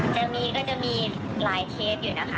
จะมีก็จะมีรายสีด้วยนะคะ